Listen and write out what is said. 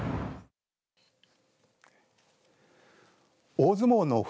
大相撲の冬